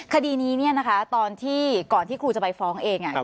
คดีนี้เนี่ยนะคะตอนที่ก่อนที่ครูจะไปฟ้องเองอ่ะ